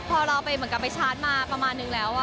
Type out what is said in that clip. พอเราไปเหมือนกับไปชาร์จมาประมาณนึงแล้ว